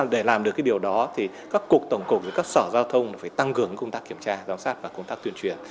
để làm được điều đó các cục tổng cục và các sở giao thông phải tăng gường công tác kiểm tra giám sát và công tác tuyên truyền